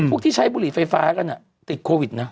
ที่ใช้บุหรี่ไฟฟ้ากันติดโควิดนะ